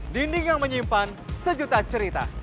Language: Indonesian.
dinding yang menyimpan sejuta cerita